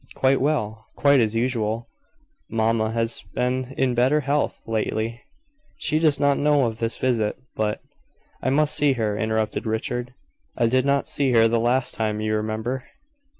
"Quite well; quite as usual. Mamma has been in better health lately. She does not know of this visit, but " "I must see her," interrupted Richard. "I did not see her the last time, you remember."